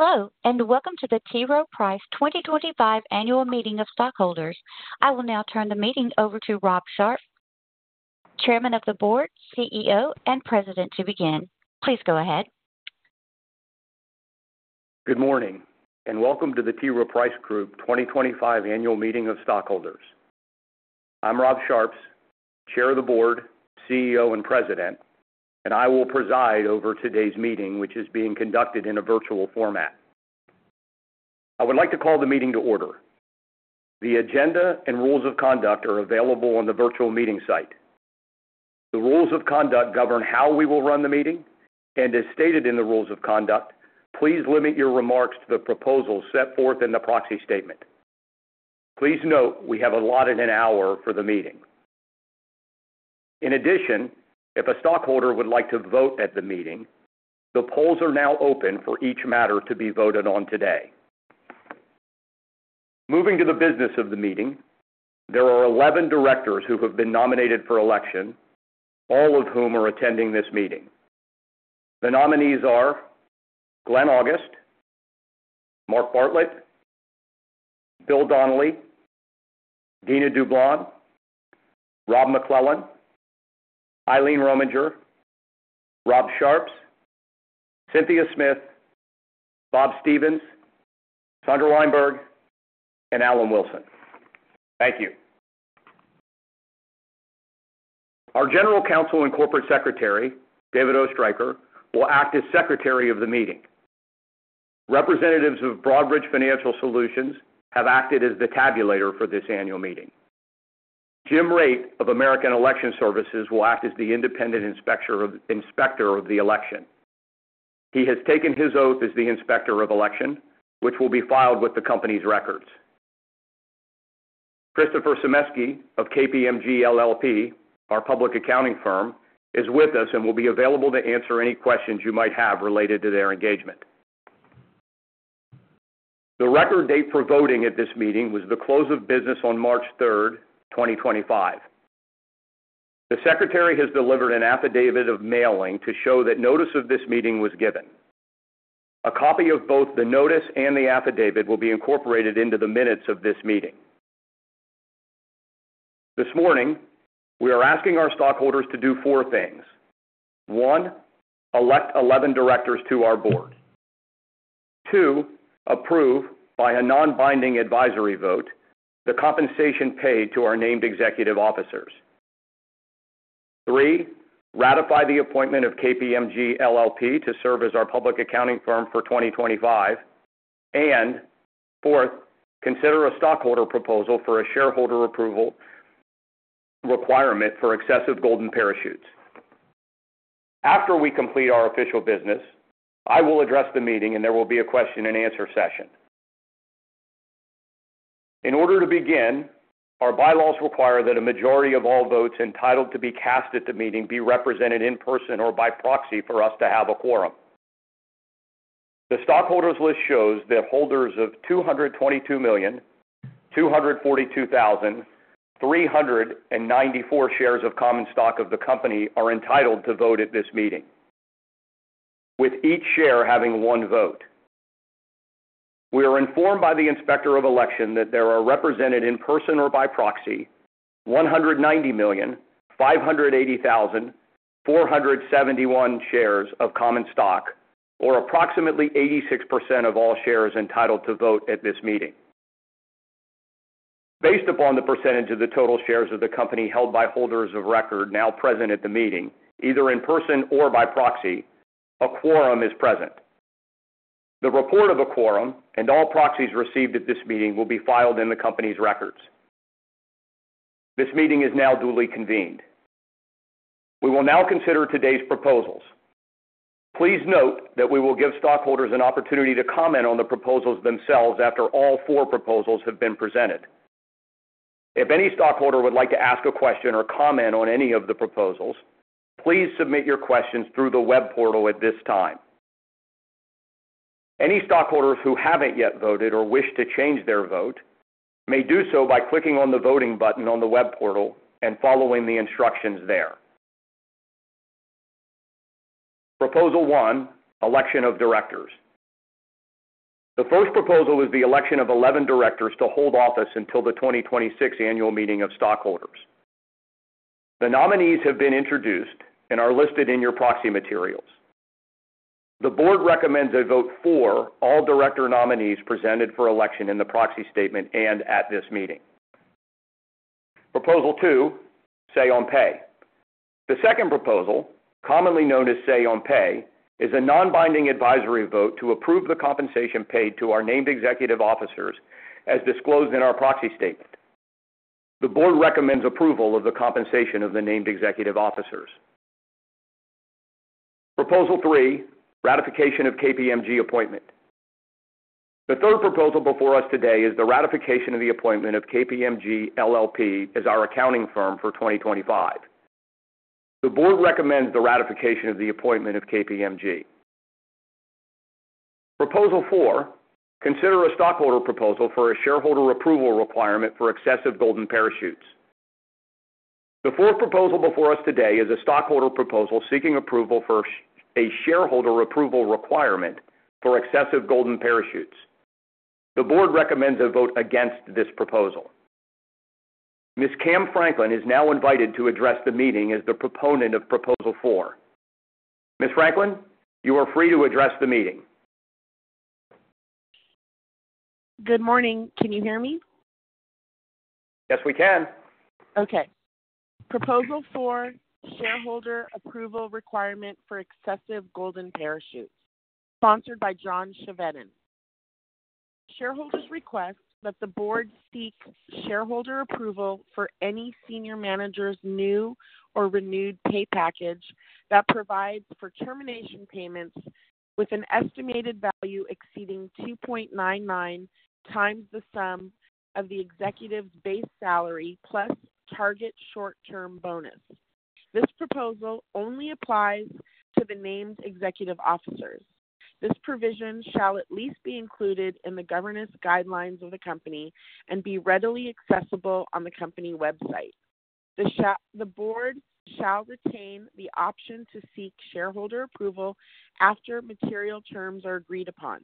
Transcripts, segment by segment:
Hello, and welcome to the T. Rowe Price 2025 Annual Meeting of Stockholders. I will now turn the meeting over to Rob Sharps, Chairman of the Board, CEO, and President, to begin. Please go ahead. Good morning, and welcome to the T. Rowe Price Group 2025 Annual Meeting of Stockholders. I'm Rob Sharps, Chair of the Board, CEO, and President, and I will preside over today's meeting, which is being conducted in a virtual format. I would like to call the meeting to order. The agenda and rules of conduct are available on the virtual meeting site. The rules of conduct govern how we will run the meeting, and as stated in the rules of conduct, please limit your remarks to the proposals set forth in the proxy statement. Please note we have allotted an hour for the meeting. In addition, if a stockholder would like to vote at the meeting, the polls are now open for each matter to be voted on today. Moving to the business of the meeting, there are 11 directors who have been nominated for election, all of whom are attending this meeting. The nominees are Glenn August, Mark Bartlett, Bill Donnelly, Dina Dublon, Rob MacLellan, Eileen Rominger, Rob Sharps, Cynthia Smith, Bob Stevens, Sandra Wijnberg, and Alan Wilson. Thank you. Our General Counsel and Corporate Secretary, David Oestreicher, will act as Secretary of the Meeting. Representatives of Broadridge Financial Solutions have acted as the tabulator for this annual meeting. Jim Raitt of American Election Services will act as the independent inspector of the election. He has taken his oath as the inspector of election, which will be filed with the company's records. Christopher Semesky of KPMG LLP, our public accounting firm, is with us and will be available to answer any questions you might have related to their engagement. The record date for voting at this meeting was the close of business on March 3, 2025. The Secretary has delivered an affidavit of mailing to show that notice of this meeting was given. A copy of both the notice and the affidavit will be incorporated into the minutes of this meeting. This morning, we are asking our stockholders to do four things: one, elect 11 directors to our board; two, approve, by a non-binding advisory vote, the compensation paid to our named executive officers; three, ratify the appointment of KPMG LLP to serve as our public accounting firm for 2025; and, fourth, consider a stockholder proposal for a shareholder approval requirement for excessive golden parachutes. After we complete our official business, I will address the meeting, and there will be a question-and-answer session. In order to begin, our bylaws require that a majority of all votes entitled to be cast at the meeting be represented in person or by proxy for us to have a quorum. The stockholders' list shows that holders of 222,242,394 shares of common stock of the company are entitled to vote at this meeting, with each share having one vote. We are informed by the inspector of election that there are represented in person or by proxy 190,580,471 shares of common stock, or approximately 86% of all shares entitled to vote at this meeting. Based upon the percentage of the total shares of the company held by holders of record now present at the meeting, either in person or by proxy, a quorum is present. The report of a quorum and all proxies received at this meeting will be filed in the company's records. This meeting is now duly convened. We will now consider today's proposals. Please note that we will give stockholders an opportunity to comment on the proposals themselves after all four proposals have been presented. If any stockholder would like to ask a question or comment on any of the proposals, please submit your questions through the web portal at this time. Any stockholders who haven't yet voted or wish to change their vote may do so by clicking on the voting button on the web portal and following the instructions there. Proposal 1: Election of Directors. The first proposal is the election of 11 directors to hold office until the 2026 Annual Meeting of Stockholders. The nominees have been introduced and are listed in your proxy materials. The board recommends a vote for all director nominees presented for election in the proxy statement and at this meeting. Proposal 2: Say On Pay. The second proposal, commonly known as Say On Pay, is a non-binding advisory vote to approve the compensation paid to our named executive officers as disclosed in our proxy statement. The board recommends approval of the compensation of the named executive officers. Proposal 3: Ratification of KPMG Appointment. The third proposal before us today is the ratification of the appointment of KPMG LLP as our accounting firm for 2025. The board recommends the ratification of the appointment of KPMG. Proposal 4: Consider a stockholder proposal for a shareholder approval requirement for excessive golden parachutes. The fourth proposal before us today is a stockholder proposal seeking approval for a shareholder approval requirement for excessive golden parachutes. The board recommends a vote against this proposal. Ms. Kam Franklin is now invited to address the meeting as the proponent of Proposal 4. Ms. Franklin, you are free to address the meeting. Good morning. Can you hear me? Yes, we can. Okay. Proposal 4: Shareholder Approval Requirement for Excessive Golden Parachutes, sponsored by John Chevedden. Shareholders request that the board seek shareholder approval for any senior manager's new or renewed pay package that provides for termination payments with an estimated value exceeding 2.99 times the sum of the executive's base salary plus target short-term bonus. This proposal only applies to the named executive officers. This provision shall at least be included in the governance guidelines of the company and be readily accessible on the company website. The board shall retain the option to seek shareholder approval after material terms are agreed upon.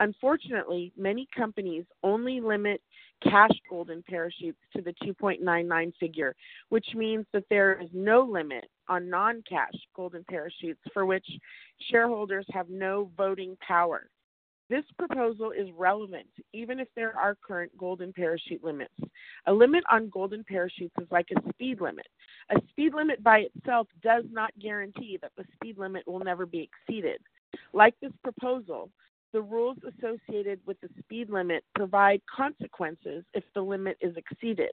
Unfortunately, many companies only limit cash golden parachutes to the 2.99 figure, which means that there is no limit on non-cash golden parachutes for which shareholders have no voting power. This proposal is relevant even if there are current golden parachute limits. A limit on golden parachutes is like a speed limit. A speed limit by itself does not guarantee that the speed limit will never be exceeded. Like this proposal, the rules associated with the speed limit provide consequences if the limit is exceeded.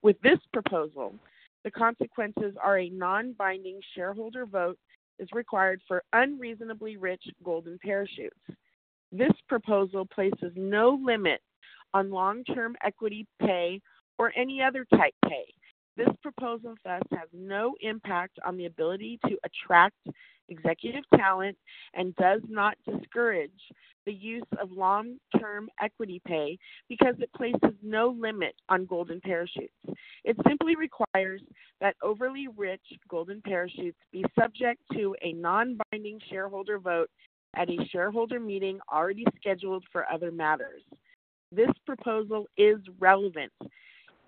With this proposal, the consequences are a non-binding shareholder vote is required for unreasonably rich golden parachutes. This proposal places no limit on long-term equity pay or any other type pay. This proposal thus has no impact on the ability to attract executive talent and does not discourage the use of long-term equity pay because it places no limit on golden parachutes. It simply requires that overly rich golden parachutes be subject to a non-binding shareholder vote at a shareholder meeting already scheduled for other matters. This proposal is relevant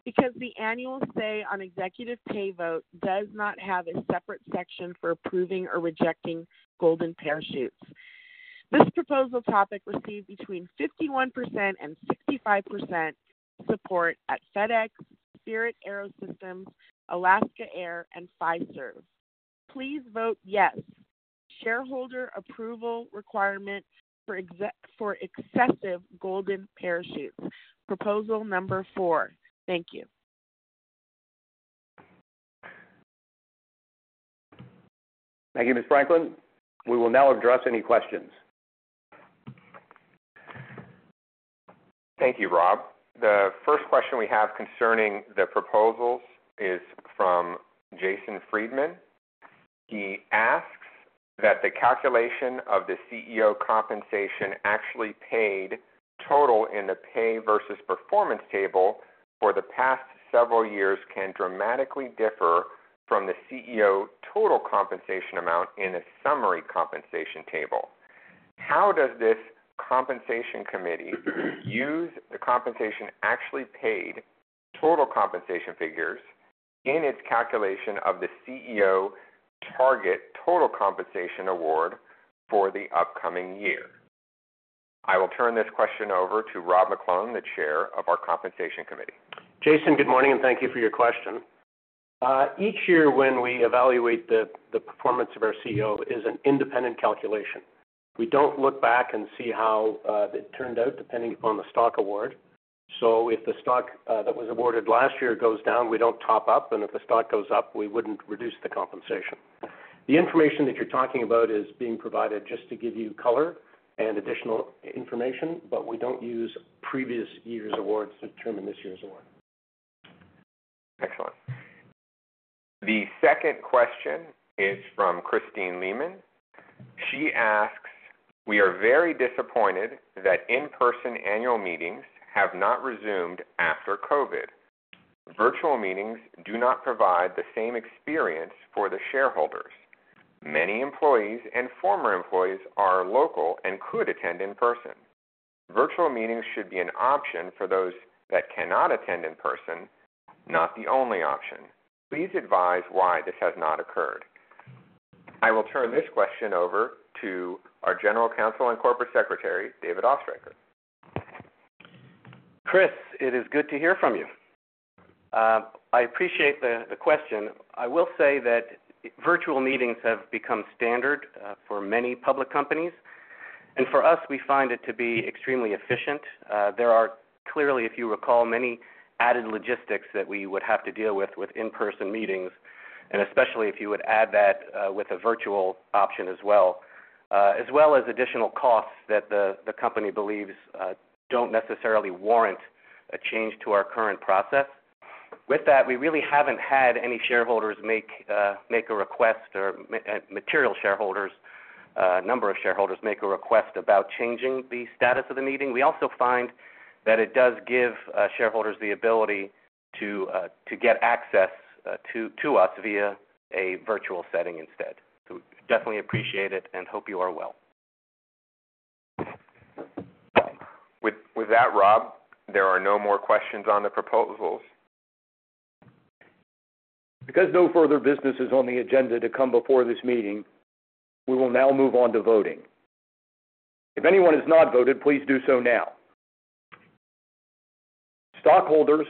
because the annual say on executive pay vote does not have a separate section for approving or rejecting golden parachutes. This proposal topic received between 51% and 65% support at FedEx, Spirit AeroSystems, Alaska Air, and Pfizer. Please vote yes. Shareholder approval requirement for excessive golden parachutes. Proposal number 4. Thank you. Thank you, Ms. Franklin. We will now address any questions. Thank you, Rob. The first question we have concerning the proposals is from Jason Friedman. He asks that the calculation of the CEO compensation actually paid total in the Pay Versus Performance table for the past several years can dramatically differ from the CEO total compensation amount in the Summary Compensation Table. How does this compensation committee use the compensation actually paid total compensation figures in its calculation of the CEO target total compensation award for the upcoming year? I will turn this question over to Rob MacLellan, the Chair of our Compensation Committee. Jason, good morning, and thank you for your question. Each year when we evaluate the performance of our CEO, it is an independent calculation. We don't look back and see how it turned out depending upon the stock award. So if the stock that was awarded last year goes down, we don't top up, and if the stock goes up, we wouldn't reduce the compensation. The information that you're talking about is being provided just to give you color and additional information, but we don't use previous year's awards to determine this year's award. Excellent. The second question is from Christine Lehman. She asks, "We are very disappointed that in-person annual meetings have not resumed after COVID. Virtual meetings do not provide the same experience for the shareholders. Many employees and former employees are local and could attend in person. Virtual meetings should be an option for those that cannot attend in person, not the only option. Please advise why this has not occurred." I will turn this question over to our General Counsel and Corporate Secretary, David Oestreicher. Chris, it is good to hear from you. I appreciate the question. I will say that virtual meetings have become standard for many public companies, and for us, we find it to be extremely efficient. There are clearly, if you recall, many added logistics that we would have to deal with in-person meetings, and especially if you would add that with a virtual option as well as additional costs that the company believes don't necessarily warrant a change to our current process. With that, we really haven't had any shareholders or material shareholders make a request about changing the status of the meeting. We also find that it does give shareholders the ability to get access to us via a virtual setting instead. Definitely appreciate it and hope you are well. With that, Rob, there are no more questions on the proposals. Because no further business is on the agenda to come before this meeting, we will now move on to voting. If anyone has not voted, please do so now. Stockholders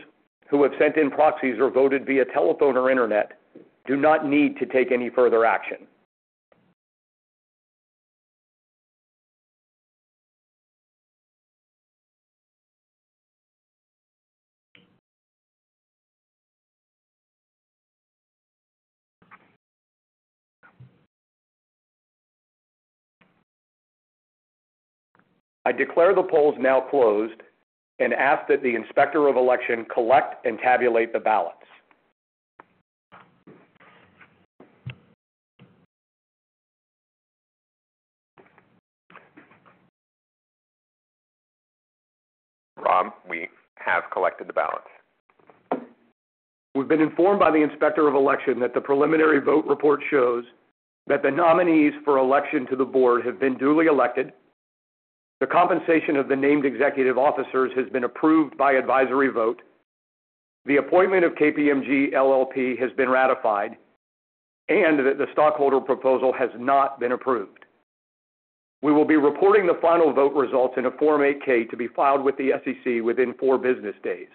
who have sent in proxies or voted via telephone or internet do not need to take any further action. I declare the polls now closed and ask that the inspector of election collect and tabulate the ballots. Rob, we have collected the ballots. We've been informed by the inspector of election that the preliminary vote report shows that the nominees for election to the board have been duly elected, the compensation of the named executive officers has been approved by advisory vote, the appointment of KPMG LLP has been ratified, and that the stockholder proposal has not been approved. We will be reporting the final vote results in a Form 8-K to be filed with the SEC within four business days.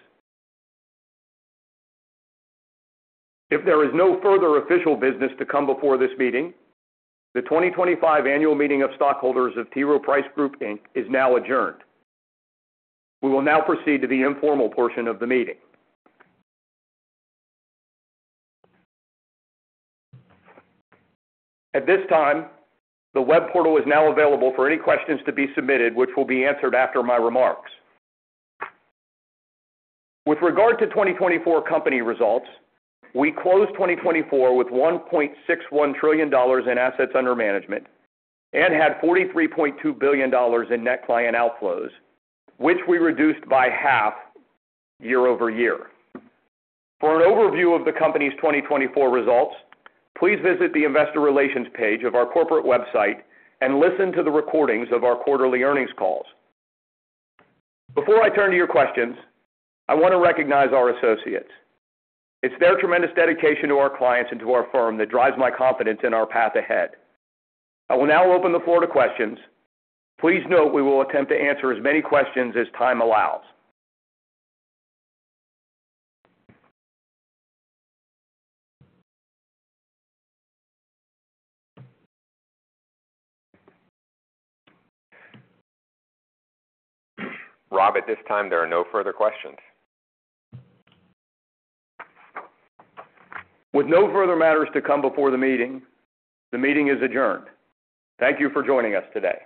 If there is no further official business to come before this meeting, the 2025 Annual Meeting of Stockholders of T. Rowe Price Group, Inc. is now adjourned. We will now proceed to the informal portion of the meeting. At this time, the web portal is now available for any questions to be submitted, which will be answered after my remarks. With regard to 2024 company results, we closed 2024 with $1.61 trillion in assets under management and had $43.2 billion in net client outflows, which we reduced by half year over year. For an overview of the company's 2024 results, please visit the investor relations page of our corporate website and listen to the recordings of our quarterly earnings calls. Before I turn to your questions, I want to recognize our associates. It's their tremendous dedication to our clients and to our firm that drives my confidence in our path ahead. I will now open the floor to questions. Please note we will attempt to answer as many questions as time allows. Rob, at this time, there are no further questions. With no further matters to come before the meeting, the meeting is adjourned. Thank you for joining us today.